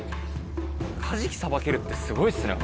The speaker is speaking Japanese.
カジキさばけるってすごいっすね。